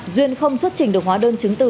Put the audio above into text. duyên không xuất trình được hóa đơn chứng từ